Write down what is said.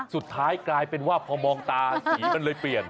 สุดท้ายกลายเป็นว่าพอมองตาสีมันเลยเปลี่ยน